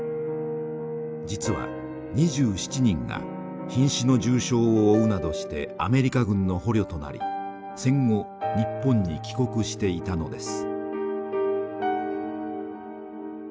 実は２７人がひん死の重傷を負うなどしてアメリカ軍の捕虜となり戦後日本に帰国していたのです。